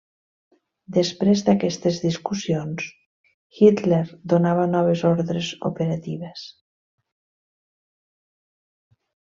Després d'aquestes discussions, Hitler donava noves ordres operatives.